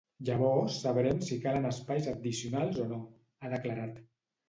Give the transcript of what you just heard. Llavors sabrem si calen espais addicionals o no, ha declarat.